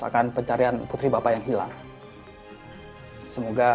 akan pencarian putri bapak yang hilang